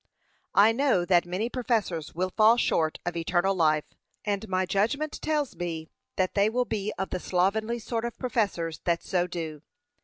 I know that many professors will fall short of eternal life, and my judgment tells me, that they will be of the slovenly sort of professors that so do.